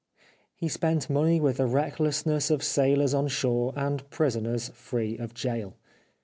He spent money with the recklessness of sailors on shore and prisoners free of gaol.